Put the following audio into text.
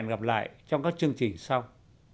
hẹn gặp lại trong các chương trình sau